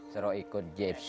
suruh ikut gfc